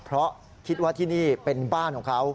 เพราะคิดว่าที่นี่เป็นบ้านของเขา